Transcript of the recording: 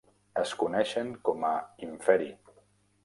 Es coneixen com a Inferi.